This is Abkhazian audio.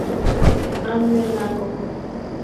Амҩа нагоуп.